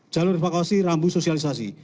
jalur evakuasi rambu sosialisasi